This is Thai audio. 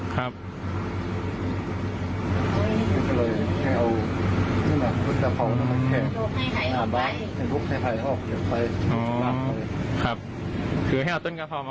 อ๋อครับครับอ๋อครับครับครับครับครับ